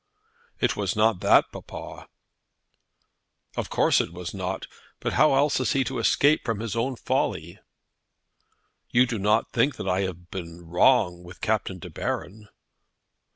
"It was not that, papa." "Of course it was not; but how else is he to escape from his own folly?" "You do not think that I have been wrong with Captain De Baron?"